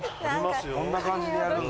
こんな感じでやるんだ。